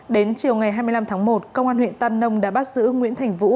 đến chiều ngày hai mươi năm tháng một công an huyện tam nông đã bắt giữ nguyễn thành vũ